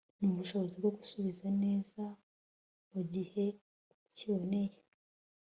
n'ubushobozi bwo gusubiza neza mu gihe kiboneye